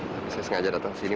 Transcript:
tapi saya sengaja datang ke sini